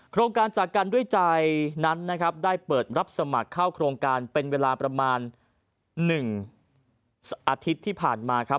โครงการจากกันด้วยใจนั้นนะครับได้เปิดรับสมัครเข้าโครงการเป็นเวลาประมาณ๑อาทิตย์ที่ผ่านมาครับ